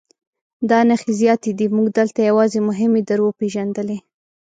دا نښې زیاتې دي موږ دلته یوازې مهمې در وپېژندلې.